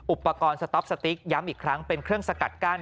อุปกรณ์สต๊อปสติ๊กย้ำอีกครั้งเป็นเครื่องสกัดกั้น